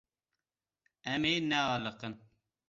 Em ê nealiqin.